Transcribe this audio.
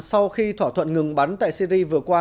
sau khi thỏa thuận ngừng bắn tại syri vừa qua